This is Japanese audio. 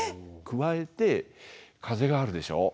加えて風があるでしょう。